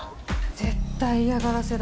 絶対嫌がらせだ。